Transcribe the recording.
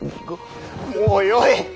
もうよい！